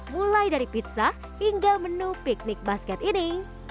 mulai dari pizza hingga menu piknik basket ini